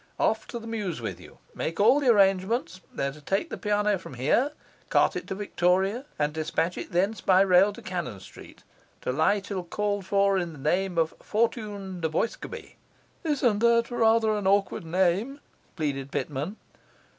Off to the mews with you, make all the arrangements; they're to take the piano from here, cart it to Victoria, and dispatch it thence by rail to Cannon Street, to lie till called for in the name of Fortune du Boisgobey.' 'Isn't that rather an awkward name?' pleaded Pitman.